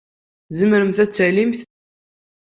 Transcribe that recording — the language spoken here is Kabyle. Tzemremt ad d-tallemt.